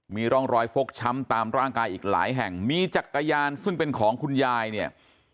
มีร่องรอยฟกช้ำตามร่างกายอีกหลายแห่งมีจักรยานซึ่งเป็นของคุณยายเนี่ย